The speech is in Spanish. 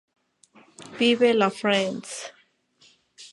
Vive la France!